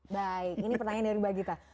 baik ini pertanyaan dari mbak gita